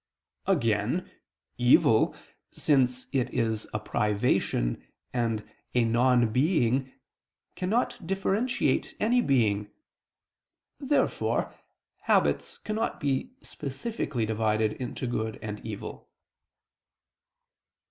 Again, evil, since it is a privation and a non being, cannot differentiate any being. Therefore habits cannot be specifically divided into good and evil.